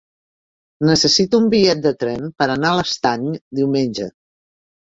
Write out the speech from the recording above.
Necessito un bitllet de tren per anar a l'Estany diumenge.